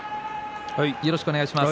よろしくお願いします。